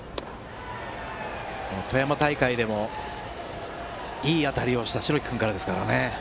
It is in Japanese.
富山大会でもいい当たりをした白木君からですからね。